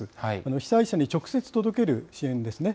被災者に直接届ける支援ですね。